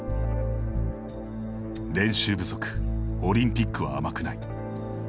「練習不足オリンピックは甘くない」